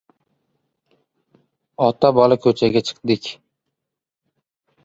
Ota-bola ko‘chaga chiqdik.